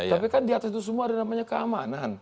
tapi kan di atas itu semua ada namanya keamanan